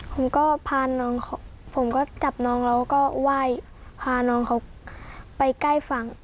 ผมก็พาน้องผมก็จับน้องแล้วก็ไหว้พาน้องเขาไปใกล้ฝั่ง